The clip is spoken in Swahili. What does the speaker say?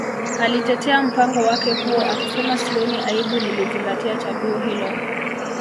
Alitetea mpango wake huo akisema Sioni aibu nilizingatia chaguo hilo